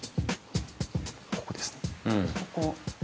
◆ここです。